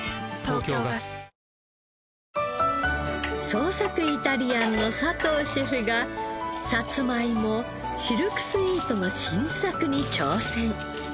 創作イタリアンの佐藤シェフがさつまいもシルクスイートの新作に挑戦。